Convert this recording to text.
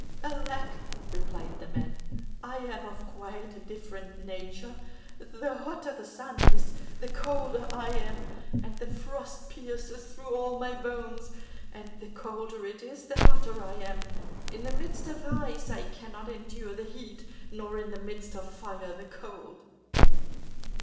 "Alack," replied the man, "I am of quite a different nature. The hotter it is, the colder I am, and the frost pierces through all my bones; and the colder it is, the hotter I am. In the midst of ice, I cannot endure the heat, nor in the midst of fire, the cold."